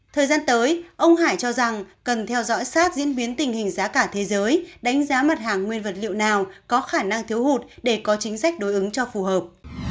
thời gian tới ông hải cho rằng cần theo dõi sát diễn biến tình hình giá cả thế giới đánh giá mặt hàng nguyên vật liệu nào có khả năng thiếu hụt để có chính sách đối ứng cho phù hợp